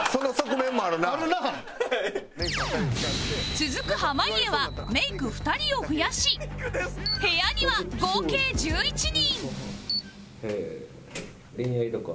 続く濱家はメイク２人を増やし部屋には合計１１人